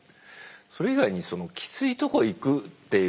それ以外にきついとこ行くっていうのはね